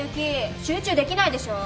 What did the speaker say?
集中できないでしょ。